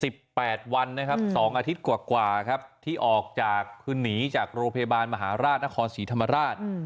แปดวันนะครับสองอาทิตย์กว่ากว่าครับที่ออกจากคือหนีจากโรงพยาบาลมหาราชนครศรีธรรมราช